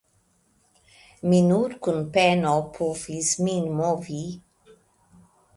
Mi nur kun peno povis min movi.